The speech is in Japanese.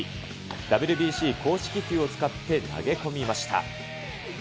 ＷＢＣ公式球を使って投げ込みました。